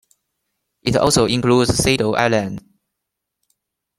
It also includes Sado Island.